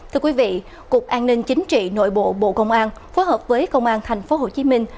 thưa quý vị cục an ninh chính trị nội bộ bộ công an phối hợp với công an thành phố hồ chí minh